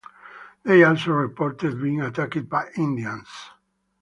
They also reported being attacked by Indians.